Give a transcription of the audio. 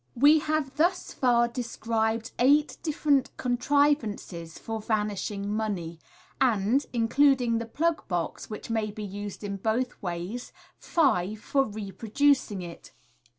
We have thus far described eight different contrivances for vanishing money, and (including the " plug box," which may be used in both ways) five for reproducing it.